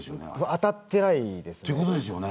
当たってないですね。